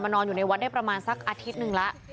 นอนอยู่ในวัดได้ประมาณสักอาทิตย์หนึ่งแล้ว